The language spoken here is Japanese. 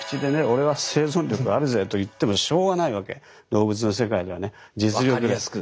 俺は生存力があるぜと言ってもしょうがないわけ動物の世界ではね実力ですから。